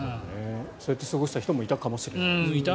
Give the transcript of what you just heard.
そうやって過ごした人もいたかもしれない。